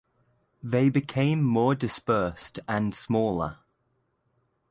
They became more dispersed and smaller.